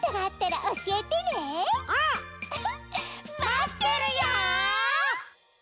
まってるよ！